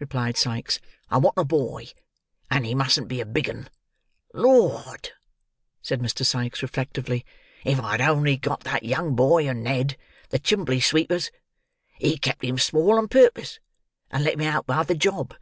replied Sikes. "I want a boy, and he musn't be a big 'un. Lord!" said Mr. Sikes, reflectively, "if I'd only got that young boy of Ned, the chimbley sweeper's! He kept him small on purpose, and let him out by the job.